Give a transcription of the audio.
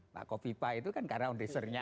pak kopipa itu kan karena ondreasernya